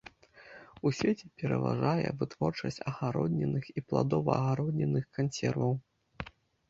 У свеце пераважае вытворчасць агароднінных і пладова-агароднінных кансерваў.